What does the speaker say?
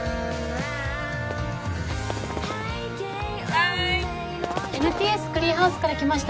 はーいＮＴＳクリーンハウスから来ました